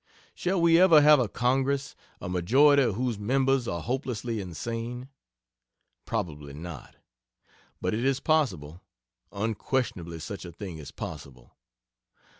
Shall we ever have a Congress, a majority of whose members are hopelessly insane? Probably not. But it is possible unquestionably such a thing is possible.